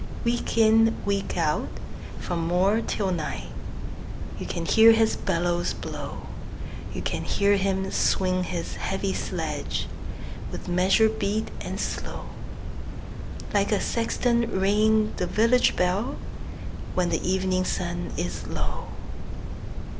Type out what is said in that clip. Week in, week out, from morn till night, You can hear his bellows blow; You can hear him swing his heavy sledge, With measured beat and slow, Like a sexton ringing the village bell, When the evening sun is low.